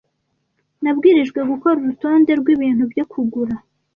Nabwirijwe gukora urutonde rwibintu byo kugura.